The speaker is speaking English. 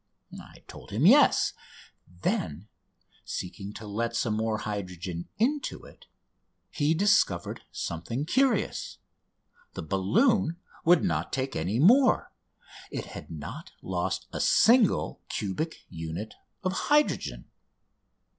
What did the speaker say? I told him yes. Then, seeking to let some more hydrogen into it, he discovered something curious. The balloon would not take any more! It had not lost a single cubic unit of hydrogen!